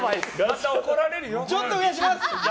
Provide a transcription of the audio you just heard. ちょっと増やします。